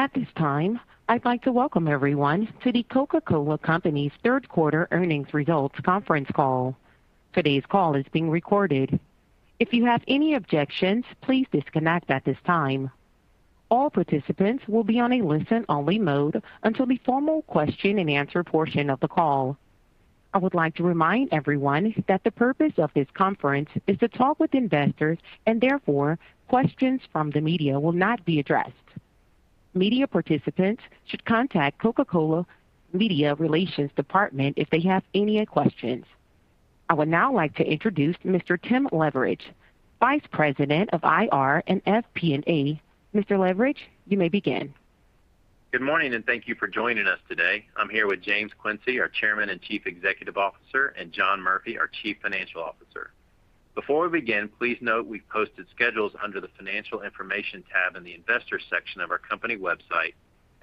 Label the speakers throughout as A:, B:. A: At this time, I'd like to welcome everyone to The Coca-Cola Company's Third Quarter earnings results conference call. Today's call is being recorded. If you have any objections, please disconnect at this time. All participants will be on a listen-only mode until the formal question-and-answer portion of the call. I would like to remind everyone that the purpose of this conference is to talk with investors and therefore, questions from the media will not be addressed. Media participants should contact Coca-Cola Media Relations Department if they have any questions. I would now like to introduce Mr. Tim Leveridge, Vice President of IR and FP&A. Mr. Leveridge, you may begin.
B: Good morning, and thank you for joining us today. I'm here with James Quincey, our Chairman and Chief Executive Officer, and John Murphy, our Chief Financial Officer. Before we begin, please note we've posted schedules under the Financial Information tab in the Investors section of our company website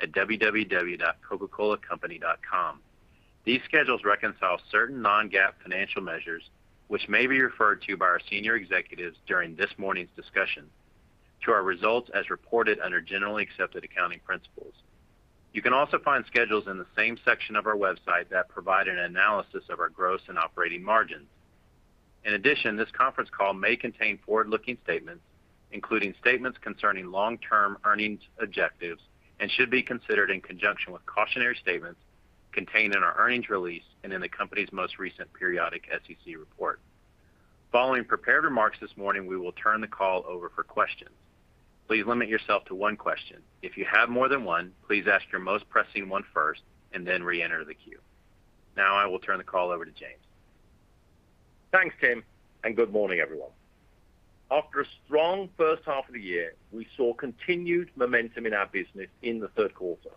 B: at www.coca-colacompany.com. These schedules reconcile certain non-GAAP financial measures which may be referred to by our senior executives during this morning's discussion to our results as reported under generally accepted accounting principles. You can also find schedules in the same section of our website that provide an analysis of our gross and operating margins. In addition, this conference call may contain forward-looking statements, including statements concerning long-term earnings objectives and should be considered in conjunction with cautionary statements contained in our earnings release and in the company's most recent periodic SEC report. Following prepared remarks this morning, we will turn the call over for questions. Please limit yourself to one question. If you have more than one, please ask your most pressing one first and then reenter the queue. Now I will turn the call over to James.
C: Thanks, Tim, and good morning, everyone. After a strong first half of the year, we saw continued momentum in our business in the third quarter.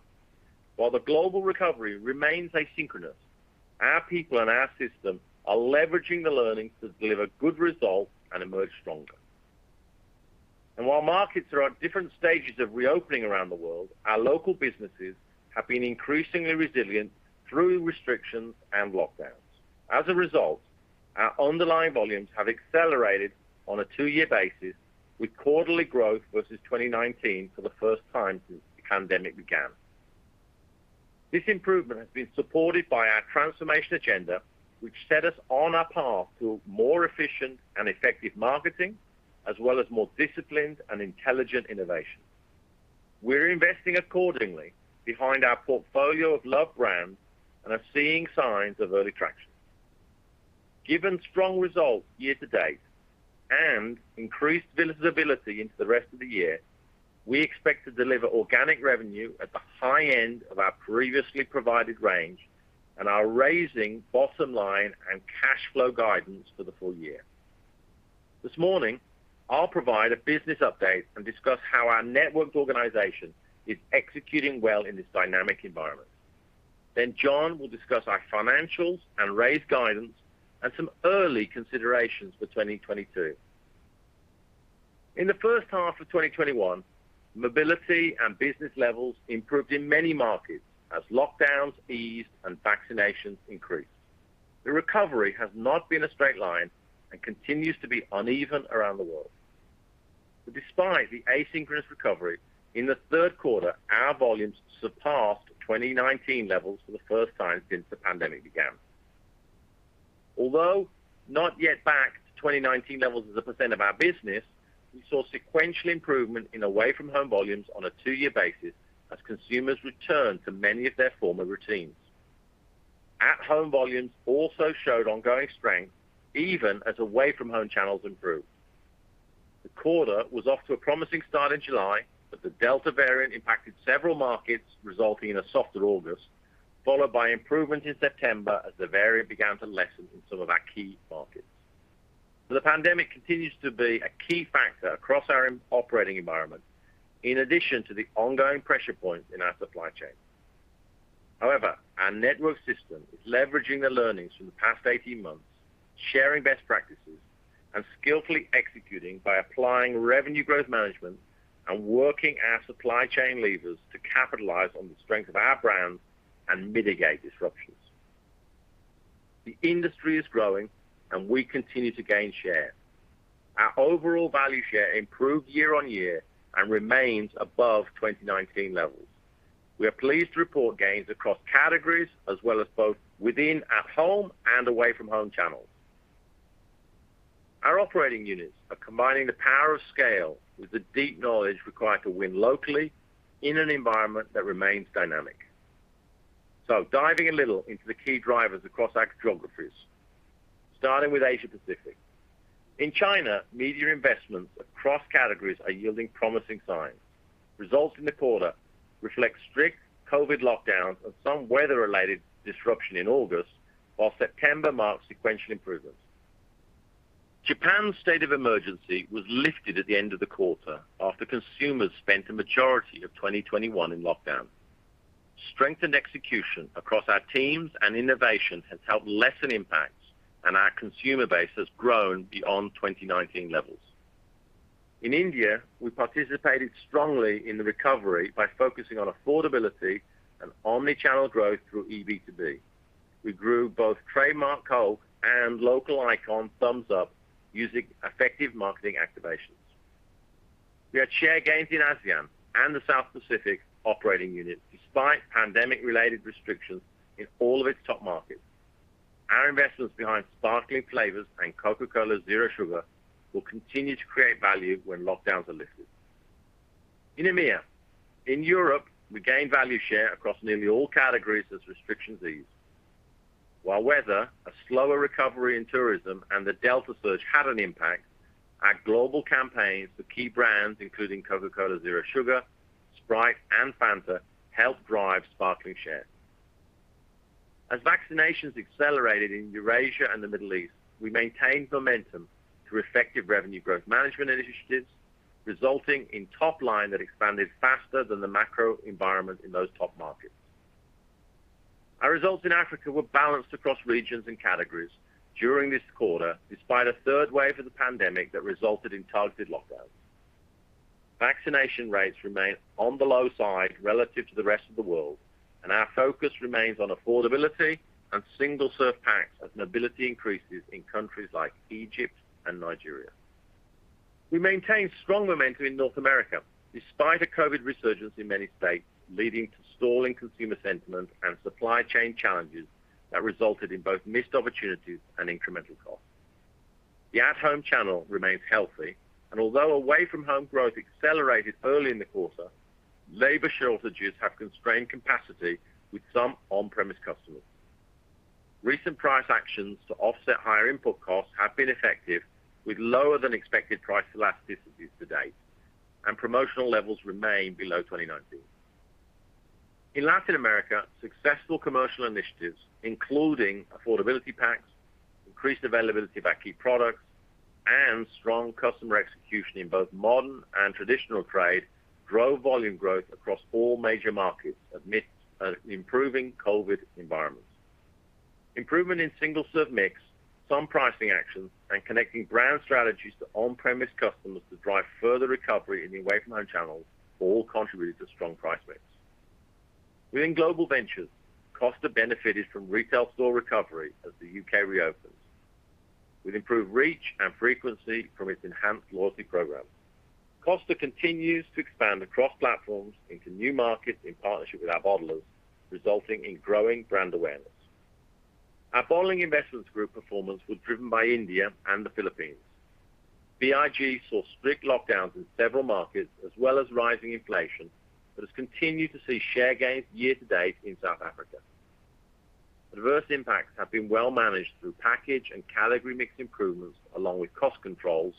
C: While the global recovery remains asynchronous, our people and our system are leveraging the learnings to deliver good results and emerge stronger. While markets are at different stages of reopening around the world, our local businesses have been increasingly resilient through restrictions and lockdowns. As a result, our underlying volumes have accelerated on a two-year basis with quarterly growth versus 2019 for the first time since the pandemic began. This improvement has been supported by our transformation agenda, which set us on a path to more efficient and effective marketing, as well as more disciplined and intelligent innovation. We're investing accordingly behind our portfolio of love brands and are seeing signs of early traction. Given strong results year-to-date and increased visibility into the rest of the year, we expect to deliver organic revenue at the high end of our previously provided range and are raising bottom line and cash flow guidance for the full year. This morning, I'll provide a business update and discuss how our networked organization is executing well in this dynamic environment. John will discuss our financials and raise guidance and some early considerations for 2022. In the first half of 2021, mobility and business levels improved in many markets as lockdowns eased and vaccinations increased. The recovery has not been a straight line and continues to be uneven around the world. Despite the asynchronous recovery, in the third quarter, our volumes surpassed 2019 levels for the first time since the pandemic began. Although not yet back to 2019 levels as a percent of our business, we saw sequential improvement in away-from-home volumes on a two-year basis as consumers returned to many of their former routines. At-home volumes also showed ongoing strength even as away-from-home channels improved. The quarter was off to a promising start in July, but the Delta variant impacted several markets, resulting in a softer August, followed by improvement in September as the variant began to lessen in some of our key markets. The pandemic continues to be a key factor across our operating environment, in addition to the ongoing pressure points in our supply chain. However, our network system is leveraging the learnings from the past 18 months, sharing best practices, and skillfully executing by applying revenue growth management and working our supply chain levers to capitalize on the strength of our brands and mitigate disruptions. The industry is growing, and we continue to gain share. Our overall value share improved year-on-year and remains above 2019 levels. We are pleased to report gains across categories as well as both within at-home and away-from-home channels. Our operating units are combining the power of scale with the deep knowledge required to win locally in an environment that remains dynamic. Diving a little into the key drivers across our geographies, starting with Asia Pacific. In China, media investments across categories are yielding promising signs. Results in the quarter reflect strict COVID lockdowns and some weather-related disruption in August, while September marked sequential improvements. Japan's state of emergency was lifted at the end of the quarter after consumers spent a majority of 2021 in lockdown. Strengthened execution across our teams and innovation has helped lessen impacts, and our consumer base has grown beyond 2019 levels. In India, we participated strongly in the recovery by focusing on affordability and omnichannel growth through e-B2B. We grew both trademark Coke and local icon Thums Up using effective marketing activations. We had share gains in ASEAN and the South Pacific operating unit despite pandemic-related restrictions in all of its top markets. Our investments behind sparkling flavors and Coca-Cola Zero Sugar will continue to create value when lockdowns are lifted. In EMEA, in Europe, we gained value share across nearly all categories as restrictions eased. While weather, a slower recovery in tourism, and the Delta surge had an impact, our global campaigns for key brands, including Coca-Cola Zero Sugar, Sprite, and Fanta, helped drive Sparkling share. As vaccinations accelerated in Eurasia and the Middle East, we maintained momentum through effective revenue growth management initiatives, resulting in top line that expanded faster than the macro environment in those top markets. Our results in Africa were balanced across regions and categories during this quarter, despite a third wave of the pandemic that resulted in targeted lockdowns. Vaccination rates remain on the low side relative to the rest of the world, and our focus remains on affordability and single-serve packs as mobility increases in countries like Egypt and Nigeria. We maintained strong momentum in North America despite a COVID resurgence in many states, leading to stalling consumer sentiment and supply chain challenges that resulted in both missed opportunities and incremental costs. The at-home channel remains healthy, and although away-from-home growth accelerated early in the quarter, labor shortages have constrained capacity with some on-premise customers. Recent price actions to offset higher input costs have been effective with lower than expected price elasticities to date and promotional levels remain below 2019. In Latin America, successful commercial initiatives, including affordability packs, increased availability of our key products, and strong customer execution in both modern and traditional trade, drove volume growth across all major markets amidst an improving COVID environment. Improvement in single-serve mix, some pricing actions, and connecting brand strategies to on-premise customers to drive further recovery in the away-from-home channels all contributed to strong price mix. Within Global Ventures, Costa benefited from retail store recovery as the U.K. reopens. With improved reach and frequency from its enhanced loyalty program, Costa continues to expand across platforms into new markets in partnership with our bottlers, resulting in growing brand awareness. Our Bottling Investments Group performance was driven by India and the Philippines. BIG saw strict lockdowns in several markets as well as rising inflation, but has continued to see share gains year-to-date in South Africa. Adverse impacts have been well managed through package and category mix improvements along with cost controls,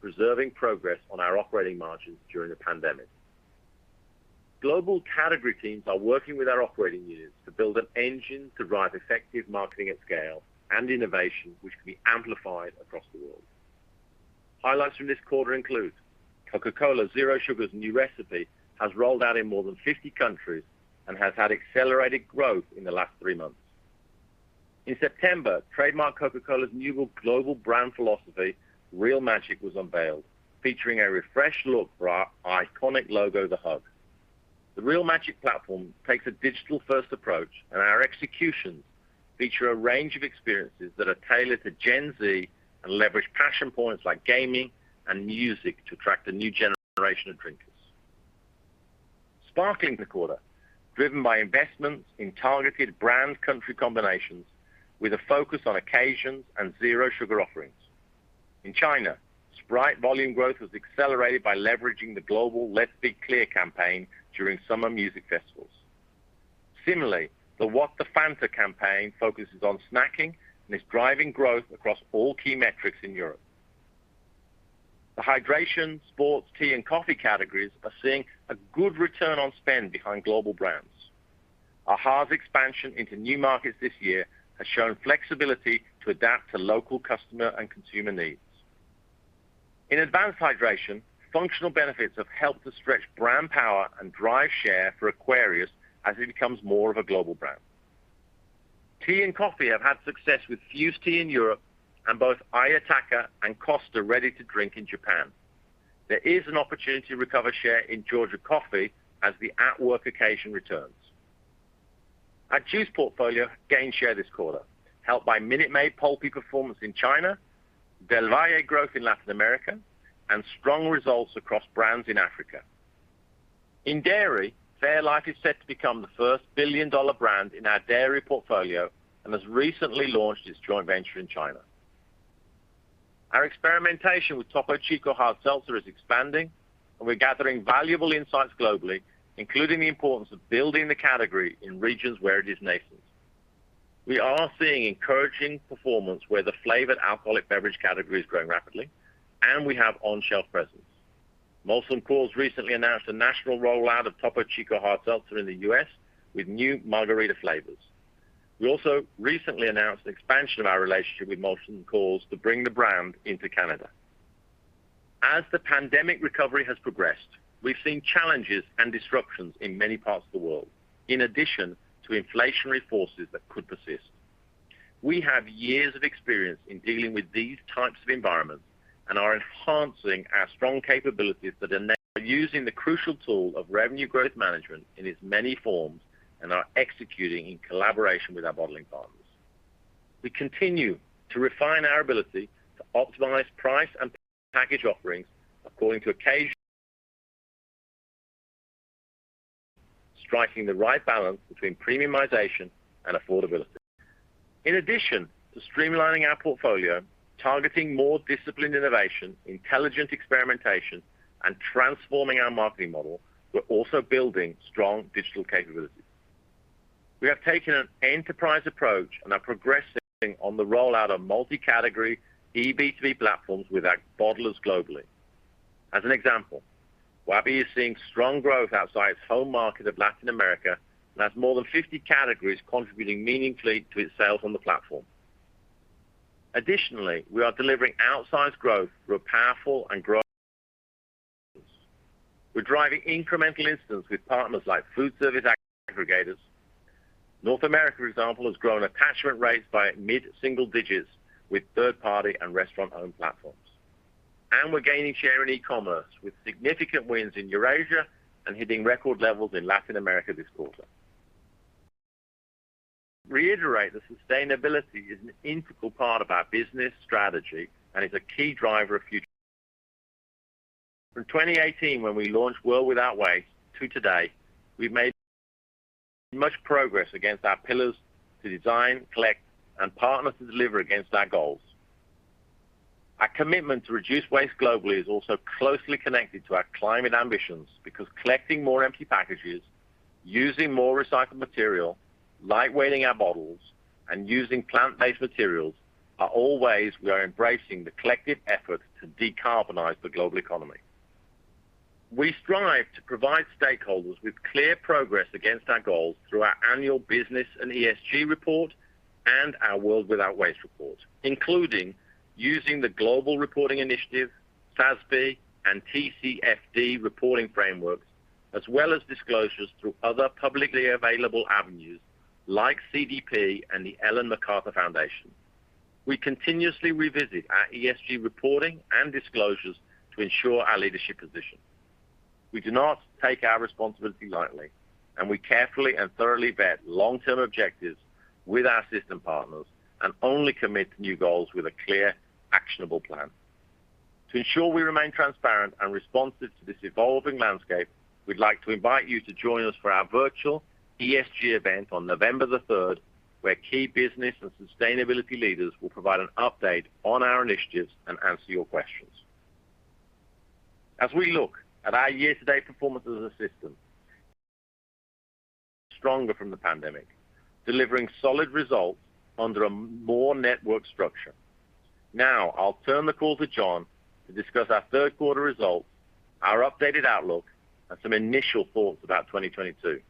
C: preserving progress on our operating margins during the pandemic. Global category teams are working with our operating units to build an engine to drive effective marketing at scale and innovation which can be amplified across the world. Highlights from this quarter include Coca-Cola Zero Sugar's new recipe has rolled out in more than 50 countries and has had accelerated growth in the last three months. In September, trademark Coca-Cola's new global brand philosophy, Real Magic, was unveiled, featuring a refreshed look for our iconic logo, The Hug. The Real Magic platform takes a digital-first approach, and our executions feature a range of experiences that are tailored to Gen Z and leverage passion points like gaming and music to attract a new generation of drinkers. Sparkling this quarter, driven by investments in targeted brand country combinations with a focus on occasions and zero sugar offerings. In China, Sprite volume growth was accelerated by leveraging the global Let's Be Clear campaign during summer music festivals. Similarly, the What the Fanta campaign focuses on snacking and is driving growth across all key metrics in Europe. The hydration, sports, tea, and coffee categories are seeing a good return on spend behind global brands. AHA's expansion into new markets this year has shown flexibility to adapt to local customer and consumer needs. In advanced hydration, functional benefits have helped to stretch brand power and drive share for Aquarius as it becomes more of a global brand. Tea and coffee have had success with Fuze Tea in Europe and both Ayataka and Costa ready to drink in Japan. There is an opportunity to recover share in Georgia Coffee as the at-work occasion returns. Our Juice portfolio gained share this quarter, helped by Minute Maid Pulpy performance in China, Del Valle growth in Latin America, and strong results across brands in Africa. In dairy, fairlife is set to become the first billion-dollar brand in our dairy portfolio and has recently launched its joint venture in China. Our experimentation with Topo Chico Hard Seltzer is expanding, and we're gathering valuable insights globally, including the importance of building the category in regions where it is nascent. We are seeing encouraging performance where the flavored alcoholic beverage category is growing rapidly, and we have on-shelf presence. Molson Coors recently announced a national rollout of Topo Chico Hard Seltzer in the U.S. with new margarita flavors. We also recently announced the expansion of our relationship with Molson Coors to bring the brand into Canada. As the pandemic recovery has progressed, we've seen challenges and disruptions in many parts of the world, in addition to inflationary forces that could persist. We have years of experience in dealing with these types of environments and are enhancing our strong capabilities that are using the crucial tool of revenue growth management in its many forms and are executing in collaboration with our bottling partners. We continue to refine our ability to optimize price and package offerings according to occasion, striking the right balance between premiumization and affordability. In addition to streamlining our portfolio, targeting more disciplined innovation, intelligent experimentation, and transforming our marketing model, we're also building strong digital capabilities. We have taken an enterprise approach and are progressing on the rollout of multi-category e-B2B platforms with our bottlers globally. As an example, Wabi is seeing strong growth outside its home market of Latin America and has more than 50 categories contributing meaningfully to its sales on the platform. Additionally, we are delivering outsized growth through powerful and growing. We're driving incremental incidence with partners like food service aggregators. North America, for example, has grown attachment rates by mid-single digits with third-party and restaurant-owned platforms. We're gaining share in e-commerce with significant wins in Eurasia and hitting record levels in Latin America this quarter. Reiterate that sustainability is an integral part of our business strategy and is a key driver of future. From 2018 when we launched World Without Waste to today, we've made much progress against our pillars to design, collect, and partner to deliver against our goals. Our commitment to reduce waste globally is also closely connected to our climate ambitions because collecting more empty packages, using more recycled material, light-weighting our bottles, and using plant-based materials are all ways we are embracing the collective effort to decarbonize the global economy. We strive to provide stakeholders with clear progress against our goals through our annual business and ESG report and our World Without Waste report, including using the global reporting Initiative, FASB, and TCFD reporting frameworks, as well as disclosures through other publicly available avenues like CDP and the Ellen MacArthur Foundation. We continuously revisit our ESG reporting and disclosures to ensure our leadership position. We do not take our responsibility lightly, and we carefully and thoroughly vet long-term objectives with our system partners and only commit to new goals with a clear, actionable plan. To ensure we remain transparent and responsive to this evolving landscape, we'd like to invite you to join us for our virtual ESG event on November the third, where key business and sustainability leaders will provide an update on our initiatives and answer your questions. As we look at our year-to-date performance as a system, stronger from the pandemic, delivering solid results under a more networked structure. Now, I'll turn the call to John to discuss our third quarter results, our updated outlook, and some initial thoughts about 2022.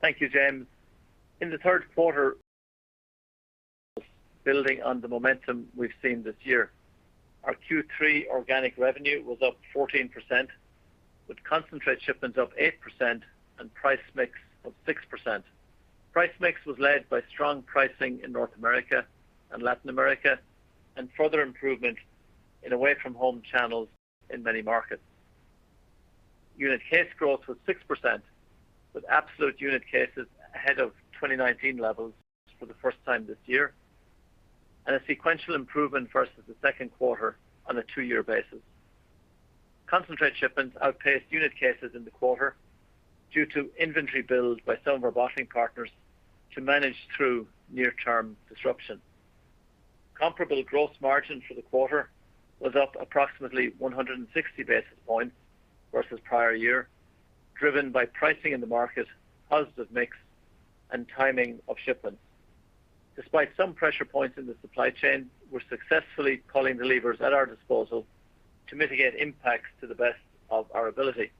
D: Thank you, James. In the third quarter, building on the momentum we've seen this year. Our Q3 organic revenue was up 14%, with concentrate shipments up 8% and price mix up 6%. Price mix was led by strong pricing in North America and Latin America and further improvement in away-from-home channels in many markets. Unit case growth was 6%, with absolute unit cases ahead of 2019 levels for the first time this year, and a sequential improvement versus the second quarter on a two-year basis. Concentrate shipments outpaced unit cases in the quarter due to inventory build by some of our bottling partners to manage through near-term disruption. Comparable gross margin for the quarter was up approximately 160 basis points versus prior year, driven by pricing in the market, positive mix, and timing of shipments. Despite some pressure points in the supply chain, we're successfully pulling the levers at our disposal to mitigate impacts to the best of our ability.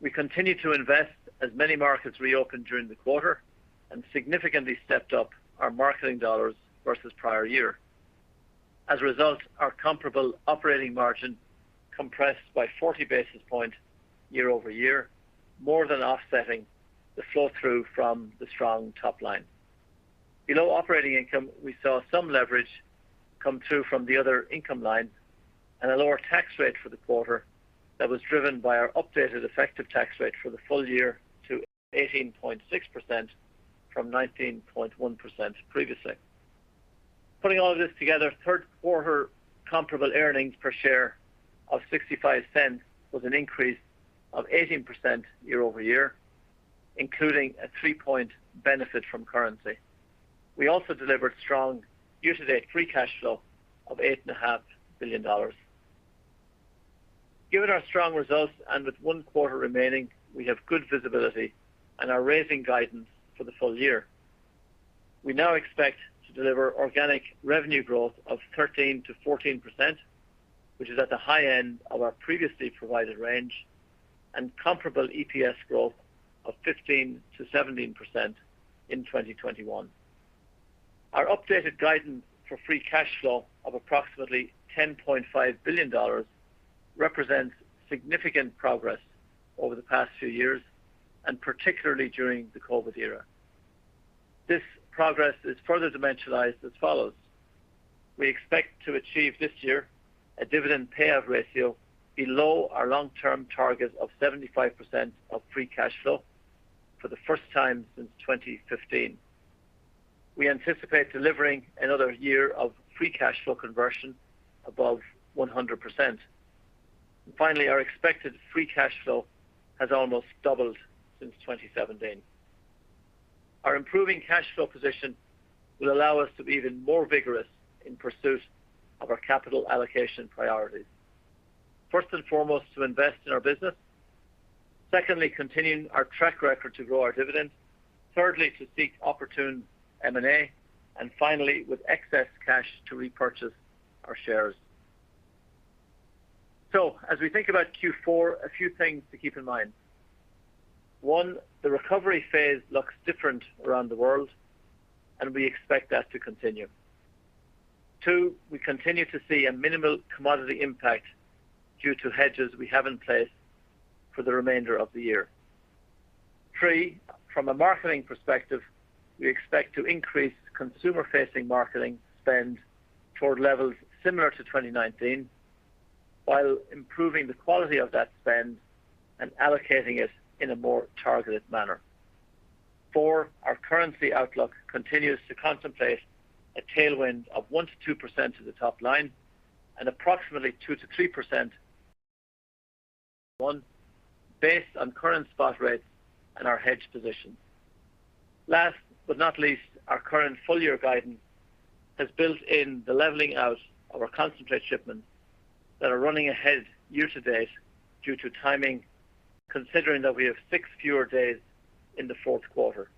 D: We continue to invest as many markets reopen during the quarter and significantly stepped up our marketing dollars versus prior year. As a result, our comparable operating margin compressed by 40 basis points year-over-year, more than offsetting the flow-through from the strong top line. Below operating income, we saw some leverage come through from the other income line and a lower tax rate for the quarter that was driven by our updated effective tax rate for the full year to 18.6% from 19.1% previously. Putting all of this together, third quarter comparable earnings per share of $0.65 was an increase of 18% year-over-year, including a 3-point benefit from currency. We also delivered strong year-to-date free cash flow of $8.5 billion. Given our strong results and with one quarter remaining, we have good visibility and are raising guidance for the full year. We now expect to deliver organic revenue growth of 13%-14%, which is at the high end of our previously provided range, and comparable EPS growth of 15%-17% in 2021. Our updated guidance for free cash flow of approximately $10.5 billion represents significant progress over the past few years, and particularly during the COVID era. This progress is further dimensionalized as follows. We expect to achieve this year a dividend payout ratio below our long-term target of 75% of free cash flow for the first time since 2015. We anticipate delivering another year of free cash flow conversion above 100%. Finally, our expected free cash flow has almost doubled since 2017. Our improving cash flow position will allow us to be even more vigorous in pursuit of our capital allocation priorities. First and foremost, to invest in our business. Secondly, continuing our track record to grow our dividend. Thirdly, to seek opportune M&A. And finally, with excess cash to repurchase our shares. As we think about Q4, a few things to keep in mind. One, the recovery phase looks different around the world, and we expect that to continue. Two, we continue to see a minimal commodity impact due to hedges we have in place for the remainder of the year. Three, from a marketing perspective, we expect to increase consumer-facing marketing spend toward levels similar to 2019 while improving the quality of that spend and allocating it in a more targeted manner. Four, our currency outlook continues to contemplate a tailwind of 1%-2% to the top line and approximately 2%-3% to EPS based on current spot rates and our hedge position. Last but not least, our current full-year guidance has built in the leveling out of our concentrate shipments that are running ahead year to date due to timing, considering that we have six fewer days in the fourth quarter.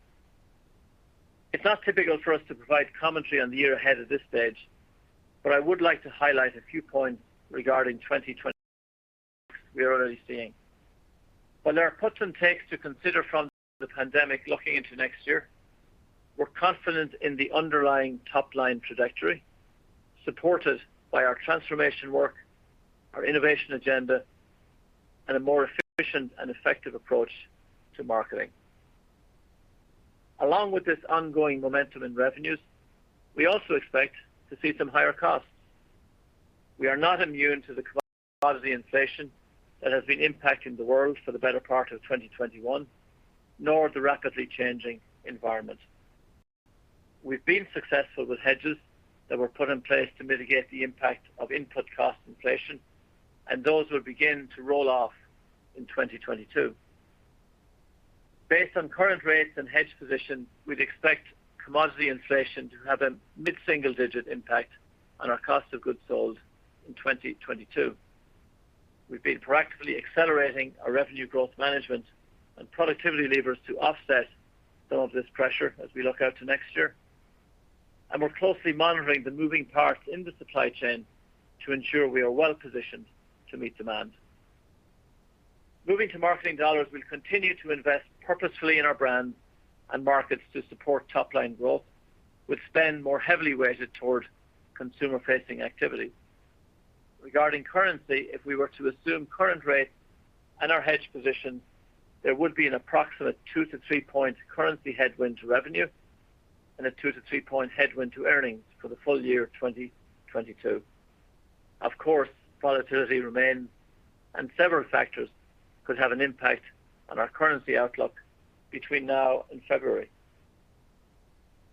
D: It's not typical for us to provide commentary on the year ahead at this stage, but I would like to highlight a few points regarding 2022, we are already seeing. While there are puts and takes to consider from the pandemic looking into next year, we're confident in the underlying top-line trajectory supported by our transformation work, our innovation agenda, and a more efficient and effective approach to marketing. Along with this ongoing momentum in revenues, we also expect to see some higher costs. We are not immune to the commodity inflation that has been impacting the world for the better part of 2021, nor the rapidly changing environment. We've been successful with hedges that were put in place to mitigate the impact of input cost inflation, and those will begin to roll off in 2022. Based on current rates and hedge positions, we'd expect commodity inflation to have a mid-single-digit impact on our cost of goods sold in 2022. We've been proactively accelerating our revenue growth management and productivity levers to offset some of this pressure as we look out to next year. We're closely monitoring the moving parts in the supply chain to ensure we are well positioned to meet demand. Moving to marketing dollars, we'll continue to invest purposefully in our brands and markets to support top-line growth with spend more heavily weighted toward consumer-facing activities. Regarding currency, if we were to assume current rates and our hedge position, there would be an approximate 2-3 point currency headwind to revenue and a 2-3 point headwind to earnings for the full year 2022. Of course, volatility remains and several factors could have an impact on our currency outlook between now and February.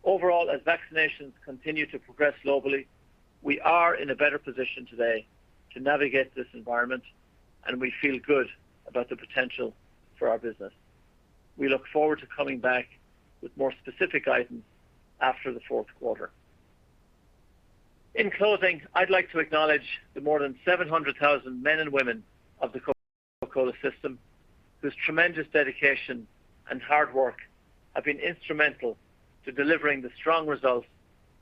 D: Overall, as vaccinations continue to progress globally, we are in a better position today to navigate this environment, and we feel good about the potential for our business. We look forward to coming back with more specific guidance after the fourth quarter. In closing, I'd like to acknowledge the more than 700,000 men and women of the Coca-Cola system, whose tremendous dedication and hard work have been instrumental to delivering the strong results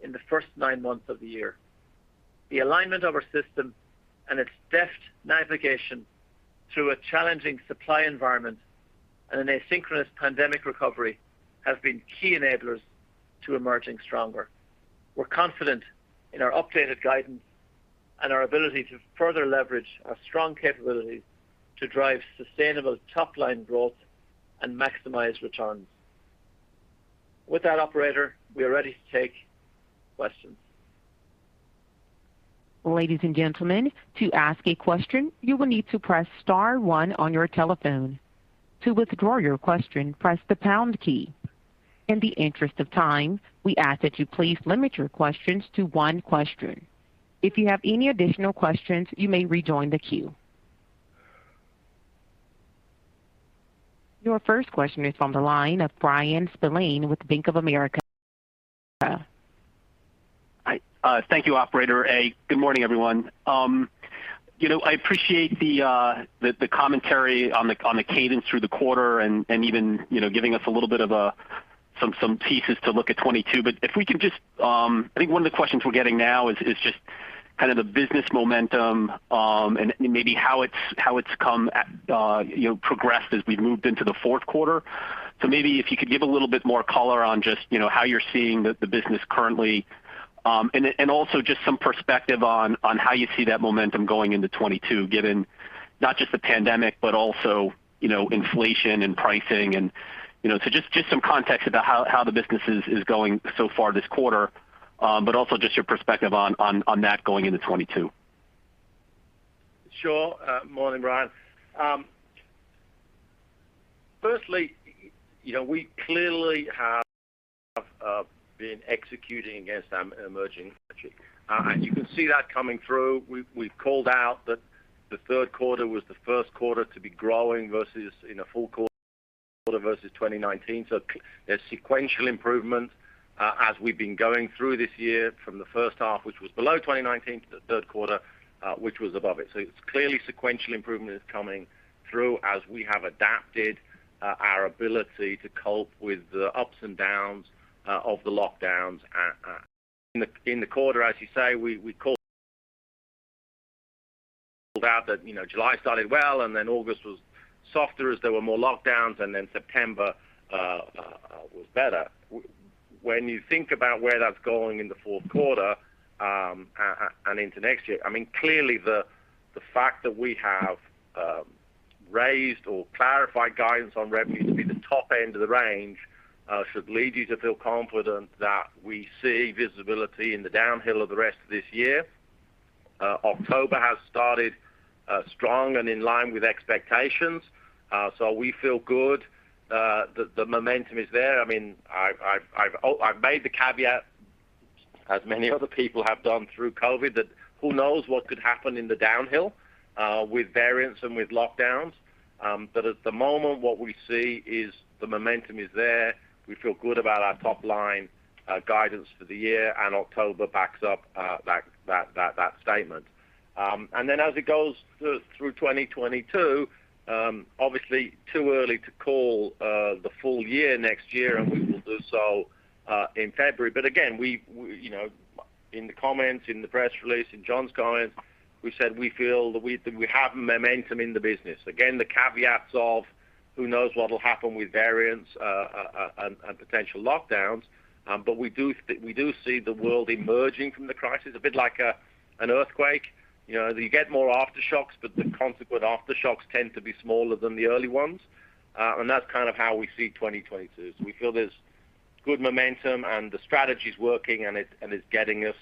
D: in the first nine months of the year. The alignment of our system and its deft navigation through a challenging supply environment and an asynchronous pandemic recovery have been key enablers to emerging stronger. We're confident in our updated guidance and our ability to further leverage our strong capabilities to drive sustainable top-line growth and maximize returns. With that, operator, we are ready to take questions.
A: Ladies and gentlemen, to ask a question, you will need to press star one on your telephone. To withdraw your question, press the pound key. In the interest of time, we ask that you please limit your questions to one question. If you have any additional questions, you may rejoin the queue. Your first question is from the line of Bryan Spillane with Bank of America.
E: Hi. Thank you, operator. Good morning, everyone. You know, I appreciate the commentary on the cadence through the quarter and even, you know, giving us some pieces to look at 2022. If we could just, I think one of the questions we're getting now is just kind of the business momentum, and maybe how it's come about, you know, progressed as we've moved into the fourth quarter. Maybe if you could give a little bit more color on just, you know, how you're seeing the business currently. Also just some perspective on how you see that momentum going into 2022, given not just the pandemic, but also, you know, inflation and pricing and, you know. Just some context about how the business is going so far this quarter, but also just your perspective on that going into 2022.
C: Sure. Morning, Bryan. Firstly, you know, we clearly have been executing against our emerging strategy. You can see that coming through. We've called out that the third quarter was the first quarter to be growing versus in a full quarter versus 2019. There's sequential improvement as we've been going through this year from the first half, which was below 2019 to the third quarter, which was above it. It's clearly sequential improvement is coming through as we have adapted our ability to cope with the ups and downs of the lockdowns. In the quarter, as you say, we called out that, you know, July started well, and then August was softer as there were more lockdowns, and then September was better. When you think about where that's going in the fourth quarter, and into next year, I mean, clearly the fact that we have raised or clarified guidance on revenue to be the top end of the range should lead you to feel confident that we see visibility in the downhill of the rest of this year. October has started strong and in line with expectations, so we feel good, the momentum is there. I mean, I've made the caveat, as many other people have done through COVID, that who knows what could happen in the downhill with variants and with lockdowns. At the moment, what we see is the momentum is there. We feel good about our top line guidance for the year, and October backs up that statement. As it goes through 2022, obviously too early to call the full year next year, and we will do so in February. Again, we you know in the comments, in the press release, in John's comments, we said we feel that we have momentum in the business. Again, the caveats of who knows what'll happen with variants and potential lockdowns. We do see the world emerging from the crisis, a bit like an earthquake. You know, you get more aftershocks, but the consequent aftershocks tend to be smaller than the early ones. That's kind of how we see 2022. We feel there's good momentum and the strategy's working and it's getting us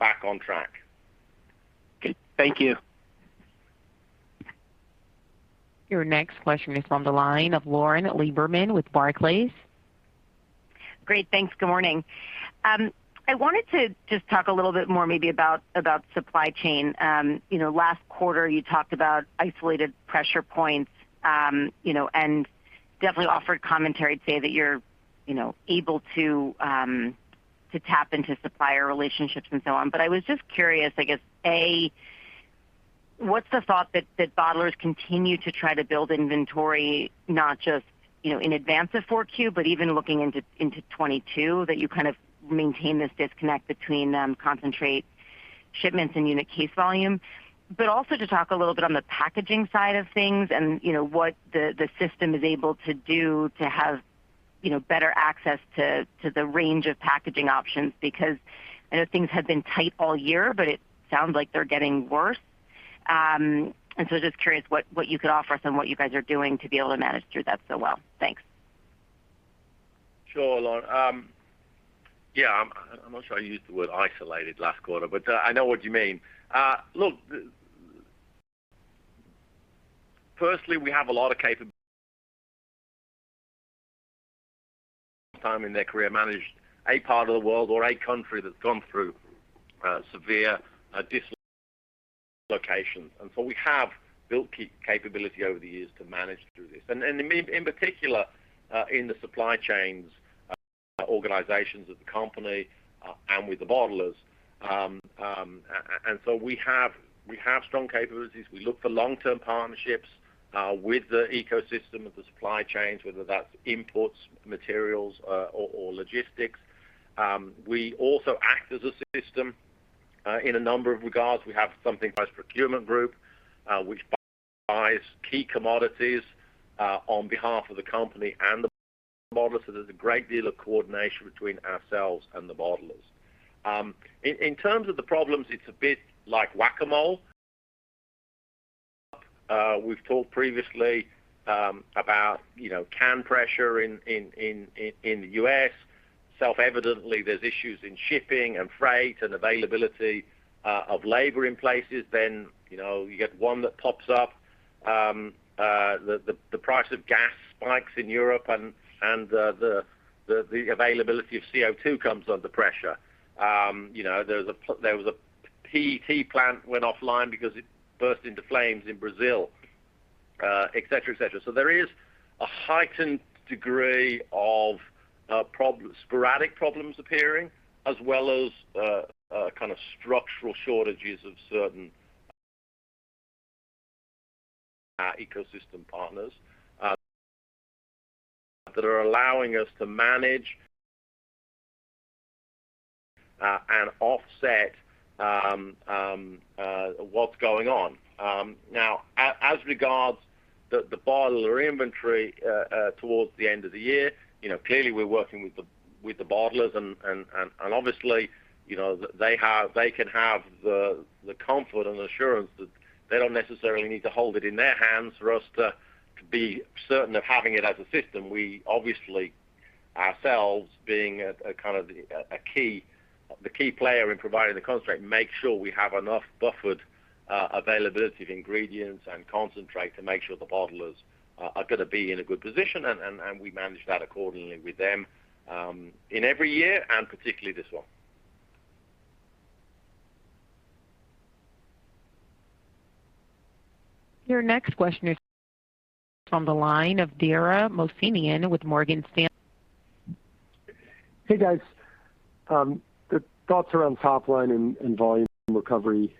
C: back on track.
E: Thank you.
A: Your next question is from the line of Lauren Lieberman with Barclays.
F: Great. Thanks. Good morning. I wanted to just talk a little bit more maybe about supply chain. You know, last quarter, you talked about isolated pressure points, you know, and definitely offered commentary to say that you're, you know, able to to tap into supplier relationships and so on. But I was just curious, I guess, A, what's the thought that bottlers continue to try to build inventory, not just, you know, in advance of 4Q, but even looking into 2022, that you kind of maintain this disconnect between concentrate shipments and unit case volume. Also to talk a little bit on the packaging side of things and, you know, what the system is able to do to have, you know, better access to the range of packaging options, because I know things have been tight all year, but it sounds like they're getting worse. Just curious what you could offer us on what you guys are doing to be able to manage through that so well. Thanks.
C: Sure, Lauren. Yeah, I'm not sure I used the word isolated last quarter, but I know what you mean. Look, firstly, we have a lot of captains in their career who have managed a part of the world or a country that's gone through severe dislocations. We have built capability over the years to manage through this. In particular, in the supply chain organizations of the company and with the bottlers. We have strong capabilities. We look for long-term partnerships with the ecosystem of the supply chains, whether that's imports, materials, or logistics. We also act as a system in a number of regards. We have something called Cross-Enterprise Procurement Group, which buys key commodities on behalf of the company and the bottlers. There's a great deal of coordination between ourselves and the bottlers. In terms of the problems, it's a bit like whac-a-mole. We've talked previously about can pressure in the U.S. Self-evidently, there's issues in shipping and freight and availability of labor in places. You know, you get one that pops up. The price of gas spikes in Europe and the availability of CO2 comes under pressure. You know, there was a PET plant went offline because it burst into flames in Brazil, et cetera. There is a heightened degree of sporadic problems appearing, as well as kind of structural shortages of certain ecosystem partners that are allowing us to manage and offset what's going on. As regards the bottler inventory toward the end of the year, you know, clearly we're working with the bottlers and obviously, you know, they can have the comfort and assurance that they don't necessarily need to hold it in their hands for us to be certain of having it as a system. We obviously ourselves being a key player in providing the concentrate, make sure we have enough buffered availability of ingredients and concentrate to make sure the bottlers are gonna be in a good position and we manage that accordingly with them in every year and particularly this one.
A: Your next question is from the line of Dara Mohsenian with Morgan Stanley.
G: Hey, guys. The thoughts around top line and volume recovery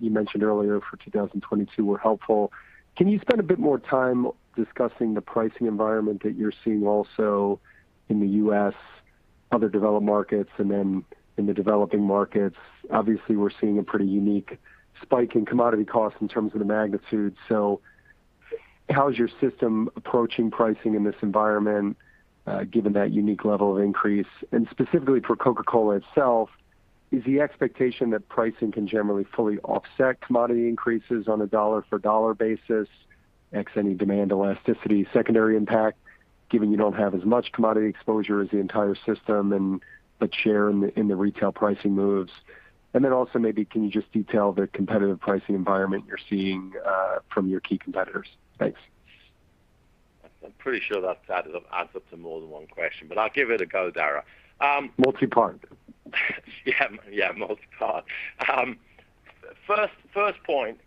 G: you mentioned earlier for 2022 were helpful. Can you spend a bit more time discussing the pricing environment that you're seeing also in the U.S., other developed markets, and then in the developing markets? Obviously, we're seeing a pretty unique spike in commodity costs in terms of the magnitude. So how is your system approaching pricing in this environment, given that unique level of increase? And specifically for Coca-Cola itself, is the expectation that pricing can generally fully offset commodity increases on a dollar for dollar basis less any demand elasticity, secondary impact, given you don't have as much commodity exposure as the entire system but share in the retail pricing moves? Also maybe can you just detail the competitive pricing environment you're seeing from your key competitors? Thanks.
C: I'm pretty sure that's added up to an answer to more than one question, but I'll give it a go, Dara.
G: Multi-part.
C: Yeah. Yeah, multi-part. First point,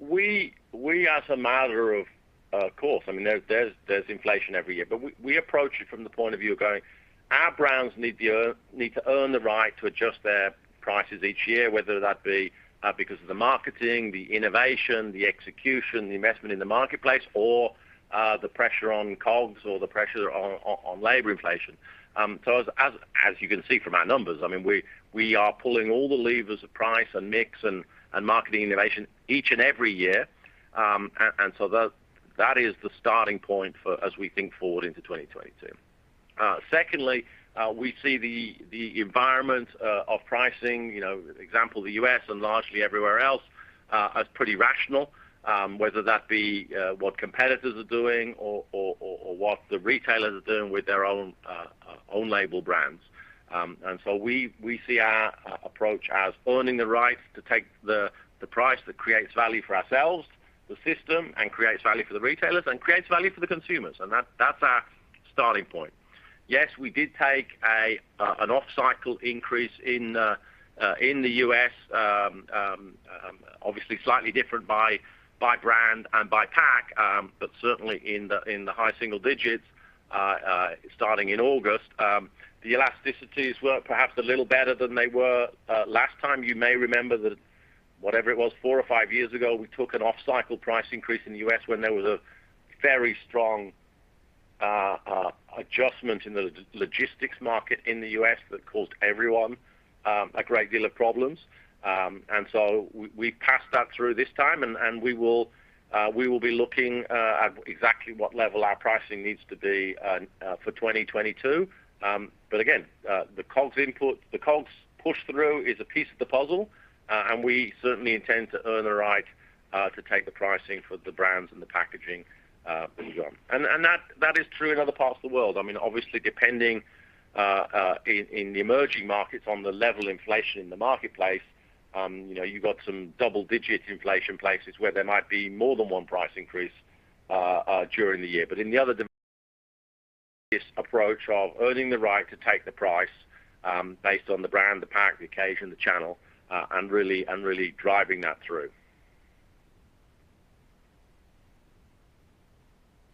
C: we as a matter of course, I mean, there's inflation every year, but we approach it from the point of view of going our brands need to earn the right to adjust their prices each year, whether that be because of the marketing, the innovation, the execution, the investment in the marketplace or the pressure on COGS or the pressure on labor inflation. As you can see from our numbers, I mean, we are pulling all the levers of price and mix and marketing innovation each and every year. That is the starting point for as we think forward into 2022. Secondly, we see the environment of pricing, you know, for example the U.S. and largely everywhere else as pretty rational, whether that be what competitors are doing or what the retailers are doing with their own label brands. We see our approach as earning the right to take the price that creates value for ourselves, the system, and creates value for the retailers, and creates value for the consumers. That's our starting point. Yes, we did take an off-cycle increase in the U.S., obviously slightly different by brand and by pack, but certainly in the high single digits, starting in August. The elasticities were perhaps a little better than they were last time. You may remember that whatever it was four or five years ago, we took an off-cycle price increase in the U.S. when there was a very strong adjustment in the logistics market in the U.S. that caused everyone a great deal of problems. We passed that through this time and we will be looking at exactly what level our pricing needs to be for 2022. But again, the COGS input, the COGS push through is a piece of the puzzle, and we certainly intend to earn the right to take the pricing for the brands and the packaging as we go on. That is true in other parts of the world. I mean, obviously depending in the emerging markets on the level inflation in the marketplace, you know, you've got some double-digit inflation places where there might be more than one price increase during the year. In the other dimensions approach of earning the right to take the price, based on the brand, the pack, the occasion, the channel, and really driving that through.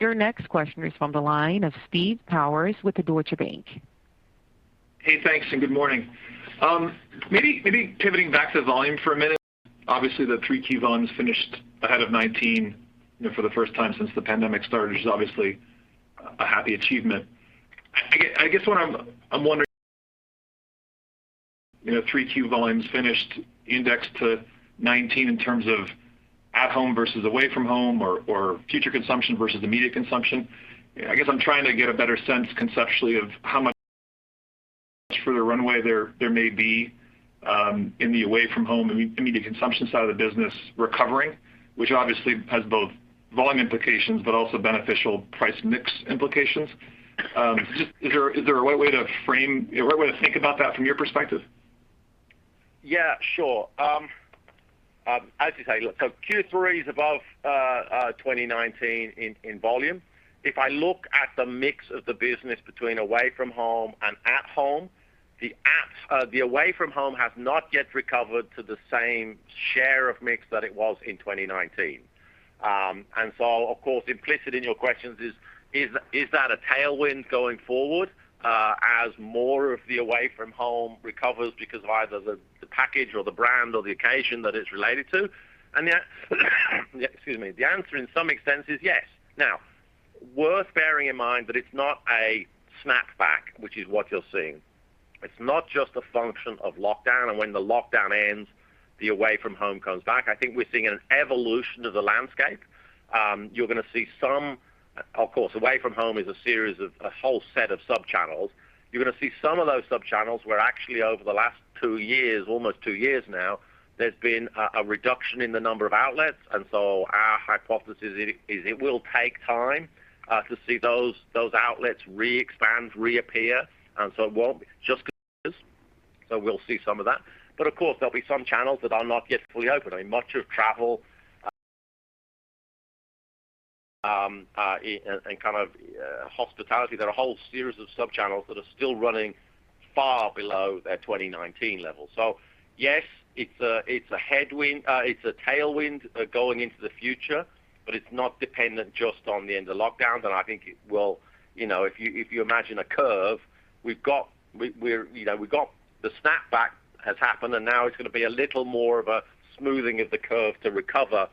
A: Your next question is from the line of Steve Powers with the Deutsche Bank.
H: Hey, thanks, and good morning. Maybe pivoting back to volume for a minute. Obviously, the 3Q volumes finished ahead of 2019 for the first time since the pandemic started, which is obviously a happy achievement. I guess what I'm wondering, 3Q volumes finished indexed to 2019 in terms of at home versus away from home or future consumption versus immediate consumption. I guess I'm trying to get a better sense conceptually of how much further runway there may be in the away from home immediate consumption side of the business recovering, which obviously has both volume implications but also beneficial price mix implications. Just, is there a right way to frame, a right way to think about that from your perspective?
C: Yeah, sure. As you say, look, Q3 is above 2019 in volume. If I look at the mix of the business between away from home and at home, the away from home has not yet recovered to the same share of mix that it was in 2019. Of course, implicit in your questions is that a tailwind going forward as more of the away from home recovers because of either the package or the brand or the occasion that it is related to? Yeah, excuse me. The answer to some extent is yes. Now, worth bearing in mind that it is not a snapback, which is what you are seeing. It is not just a function of lockdown, and when the lockdown ends, the away from home comes back. I think we're seeing an evolution of the landscape. Of course, away from home is a series of a whole set of sub channels. You're gonna see some of those sub channels where actually over the last two years, almost two years now, there's been a reduction in the number of outlets. Our hypothesis is it will take time to see those outlets re-expand, reappear, and so it won't be just because. We'll see some of that. Of course, there'll be some channels that are not yet fully open. I mean, in kind of hospitality, there are a whole series of sub channels that are still running far below their 2019 levels. Yes, it's a headwind. It's a tailwind going into the future, but it's not dependent just on the end of lockdowns. I think it will. You know, if you imagine a curve, we've got the snapback has happened, and now it's gonna be a little more of a smoothing of the curve to recover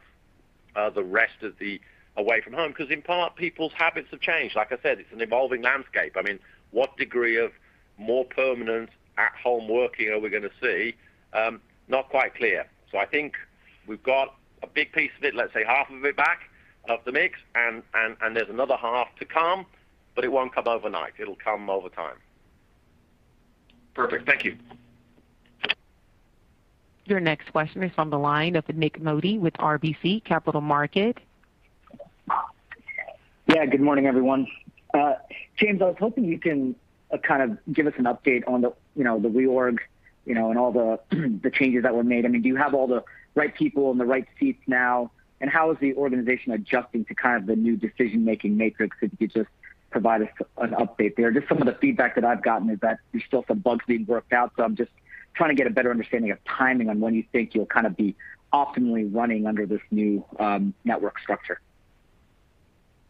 C: the rest of the away from home. 'Cause in part, people's habits have changed. Like I said, it's an evolving landscape. I mean, what degree of more permanent at-home working are we gonna see? Not quite clear. I think we've got a big piece of it, let's say half of it back in the mix, and there's another half to come, but it won't come overnight. It'll come over time.
H: Perfect. Thank you.
A: Your next question is from the line of Nik Modi with RBC Capital Markets.
I: Yeah, good morning, everyone. James, I was hoping you can kind of give us an update on the reorg, you know, and all the changes that were made. I mean, do you have all the right people in the right seats now? How is the organization adjusting to kind of the new decision-making matrix? If you could just provide us an update there. Just some of the feedback that I've gotten is that there's still some bugs being worked out, so I'm just trying to get a better understanding of timing on when you think you'll kind of be optimally running under this new network structure.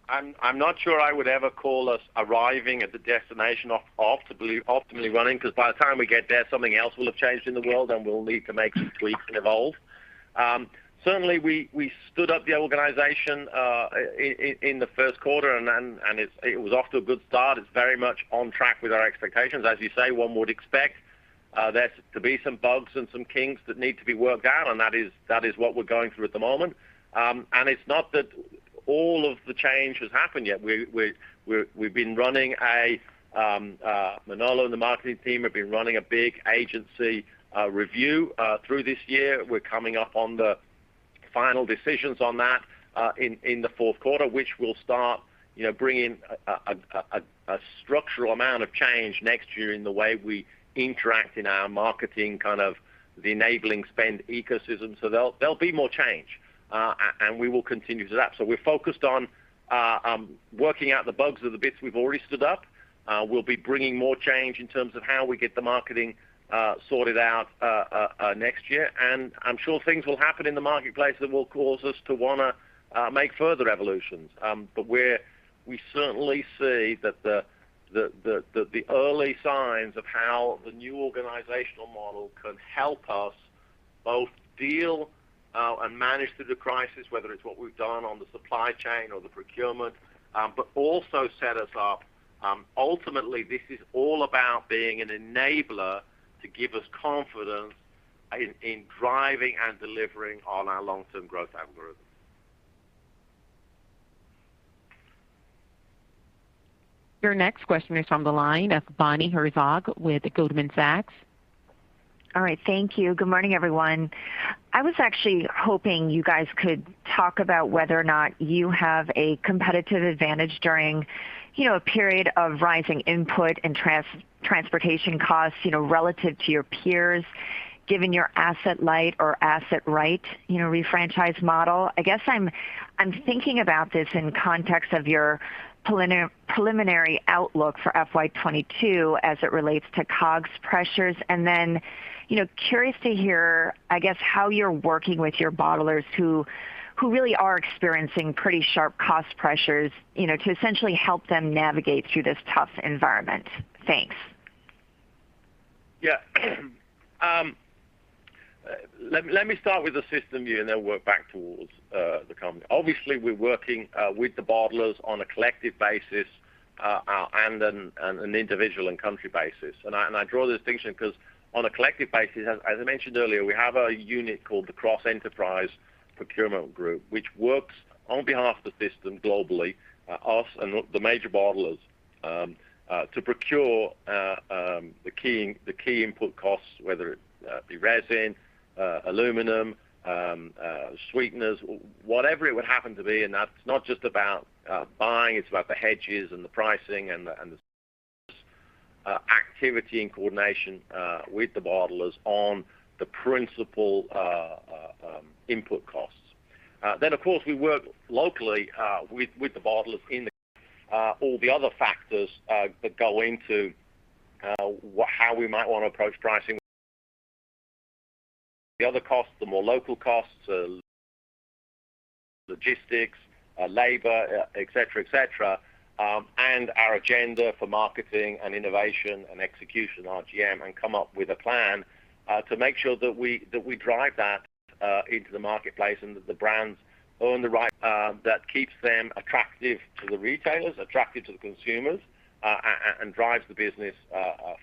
C: I'm not sure I would ever call us arriving at the destination of optimally running, 'cause by the time we get there, something else will have changed in the world, and we'll need to make some tweaks and evolve. Certainly, we stood up the organization in the first quarter, and then it was off to a good start. It's very much on track with our expectations. As you say, one would expect there to be some bugs and some kinks that need to be worked out, and that is what we're going through at the moment. It's not that all of the change has happened yet. Manolo and the marketing team have been running a big agency review through this year. We're coming up on the final decisions on that in the fourth quarter, which will start, you know, bringing a structural amount of change next year in the way we interact in our marketing, kind of the enabling spend ecosystem. There'll be more change and we will continue to do that. We're focused on working out the bugs of the bits we've already stood up. We'll be bringing more change in terms of how we get the marketing sorted out next year. I'm sure things will happen in the marketplace that will cause us to wanna make further evolutions. We certainly see that the early signs of how the new organizational model can help us both deal and manage through the crisis, whether it's what we've done on the supply chain or the procurement, but also set us up. Ultimately, this is all about being an enabler to give us confidence in driving and delivering on our long-term growth algorithm.
A: Your next question is from the line of Bonnie Herzog with Goldman Sachs.
J: All right. Thank you. Good morning, everyone. I was actually hoping you guys could talk about whether or not you have a competitive advantage during, you know, a period of rising input and transportation costs, you know, relative to your peers, given your asset light or asset right, you know, refranchise model. I guess I'm thinking about this in context of your preliminary outlook for FY 2022 as it relates to COGS pressures. Then, you know, I'm curious to hear, I guess, how you're working with your bottlers who really are experiencing pretty sharp cost pressures, you know, to essentially help them navigate through this tough environment. Thanks.
C: Yeah. Let me start with the system view and then work back towards the company. Obviously, we're working with the bottlers on a collective basis and an individual and country basis. I draw the distinction 'cause on a collective basis, as I mentioned earlier, we have a unit called the Cross-Enterprise Procurement Group, which works on behalf of the system globally, us and the major bottlers, to procure the key input costs, whether it be resin, aluminum, sweeteners, whatever it would happen to be. That's not just about buying, it's about the hedges and the pricing and the activity and coordination with the bottlers on the principal input costs. Of course, we work locally with the bottlers in all the other factors that go into how we might wanna approach pricing. The other costs, the more local costs, logistics, labor, et cetera, and our agenda for marketing and innovation and execution, RGM, and come up with a plan to make sure that we drive that into the marketplace and that the brands own the right that keeps them attractive to the retailers, attractive to the consumers, and drives the business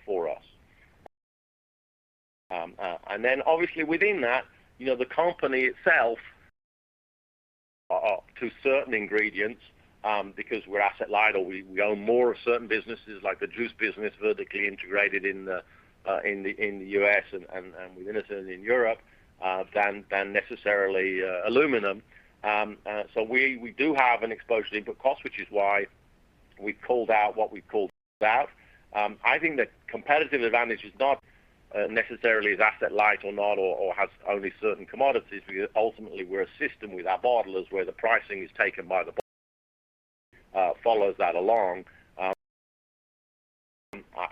C: for us. Obviously within that, you know, the company itself to certain ingredients, because we're asset light or we own more of certain businesses like the juice business vertically integrated in the U.S. and in Europe than necessarily aluminum. We do have an exposure to input costs, which is why we called out what we called out. I think the competitive advantage is not necessarily as asset light or not or has only certain commodities. Ultimately, we're a system with our bottlers where the pricing is taken by the bottler, follows that along.